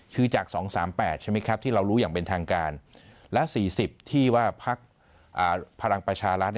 คือจาก๒๓๘ใช่ไหมครับที่เรารู้อย่างเป็นทางการและ๔๐ที่ว่าพักพลังประชารัฐ